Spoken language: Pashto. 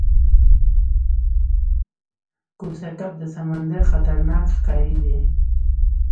کوسه کب د سمندر خطرناک ښکاری دی